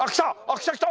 来た来た！